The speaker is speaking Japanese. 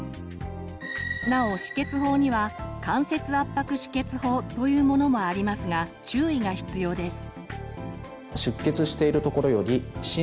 なお止血法には間接圧迫止血法というものもありますが注意が必要です。